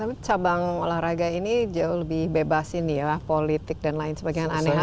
tapi cabang olahraga ini jauh lebih bebas ini ya politik dan lain sebagainya aneh aneh